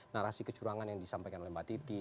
narasi kecurangan yang disampaikan oleh mbak titi